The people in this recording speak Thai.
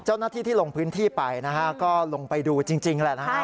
เจ้าหน้าที่ที่ลงพื้นที่ไปนะฮะก็ลงไปดูจริงแหละนะฮะ